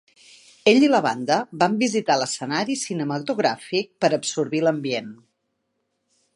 Ell i la banda van visitar l'escenari cinematogràfic per absorbir l'ambient.